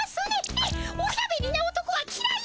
えっおしゃべりな男はきらい？